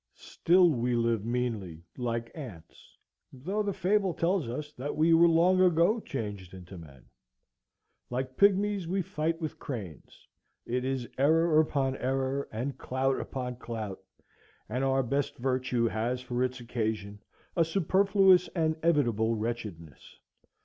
Still we live meanly, like ants; though the fable tells us that we were long ago changed into men; like pygmies we fight with cranes; it is error upon error, and clout upon clout, and our best virtue has for its occasion a superfluous and evitable wretchedness.